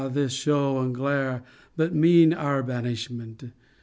this show and glare But mean our banishment.